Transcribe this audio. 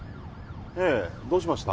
ええどうしました？